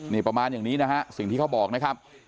นี่ประมาณอย่างนี้นะฮะสิ่งที่เขาบอกนะครับ